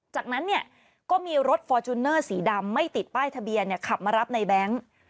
จากนั้นเนี่ยก็มีรถฟอร์จูเนอร์สีดำไม่ติดป้ายทะเบียนขับมารับในแบงค์